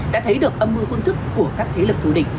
đã thấy được âm mưu phương thức của các thế lực thù địch